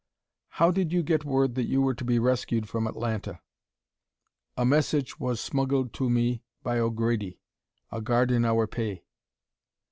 "How did you get word that you were to be rescued from Atlanta?" "A message was smuggled in to me by O'Grady, a guard in our pay."